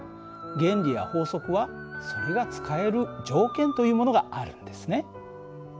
原理や法則はそれが使える条件というものがあるんですね。